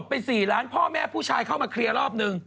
ไอ้หลานพ่อแม่ผู้ชายเข้ามาเคลียรอบหนึ่ง